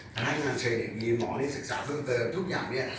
การให้งานเชิญอย่างนี้หมอศึกษาเพิ่มเติมทุกอย่างนี้